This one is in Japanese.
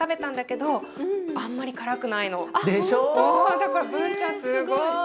だからブンちゃんすごい。